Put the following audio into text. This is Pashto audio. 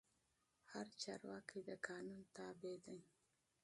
هر چارواکی د قانون تابع دی